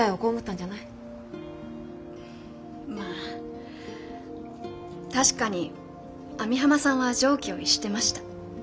まあ確かに網浜さんは常軌を逸してました。